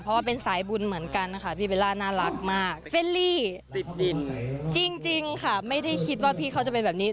เพราะว่าเป็นสายบุญเหมือนกันนะคะพี่เบลล่าน่ารักมากเฟลลี่ติดดินจริงค่ะไม่ได้คิดว่าพี่เขาจะเป็นแบบนี้